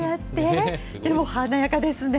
でも華やかですね。